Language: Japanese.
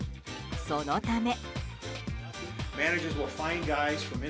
そのため。